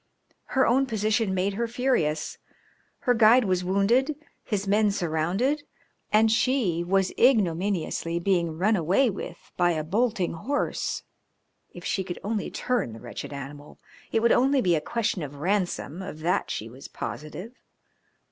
Her own position made her furious. Her guide was wounded, his men surrounded, and she was ignominiously being run away with by a bolting horse. If she could only turn the wretched animal. It would only be a question of ransom, of that she was positive.